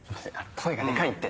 声がデカいって。